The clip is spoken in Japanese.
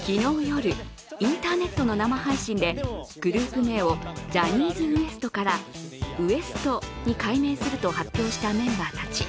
昨日夜、インターネットの生配信でグループ名をジャニーズＷＥＳＴから、ＷＥＳＴ．に改名すると発表したメンバーたち。